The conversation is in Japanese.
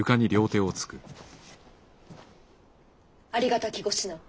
ありがたきご指南